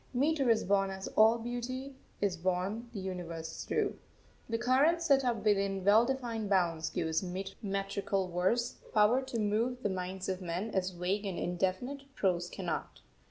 Metre is born as all beauty is born the universe through. The current set up within well defined bounds gives metrical verse power to move the minds of men as vague and indefinite prose cannot.